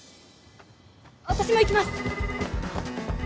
私も行きます